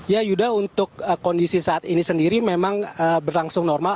ya yuda untuk kondisi saat ini sendiri memang berlangsung normal